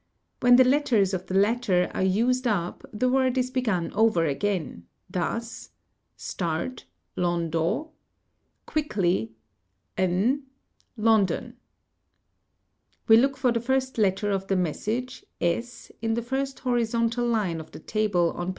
When the letters of the latter are used up the word is begun over again thus :— Stet. fii wi ve kl oy ito Tt. a O or ye hoe Oh ae We look for the first letter of the message s in the first horizontal line of the table on p.